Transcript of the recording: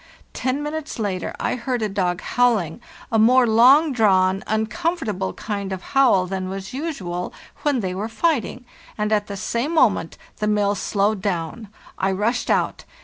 Ten minutes later I heard a dog howling, a more long drawn, uncomfortable kind of howl than was usual when they were fighting, and at the same moment the mill slowed down. I rushed out.